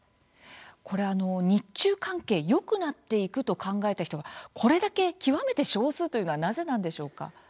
これは日中関係よくなっていくと考えた人がこれだけ極めて少数というのはなぜでしょうか。